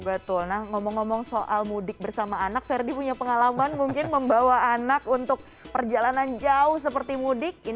betul nah ngomong ngomong soal mudik bersama anak verdi punya pengalaman mungkin membawa anak untuk perjalanan jauh seperti mudik